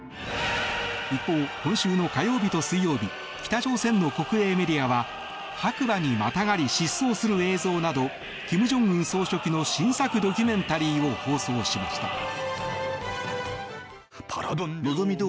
一方、今週の火曜日と水曜日北朝鮮の国営メディアは白馬にまたがり疾走する映像など金正恩総書記の新作ドキュメンタリーを放送しました。